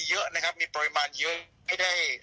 ยืนยันว่าทานได้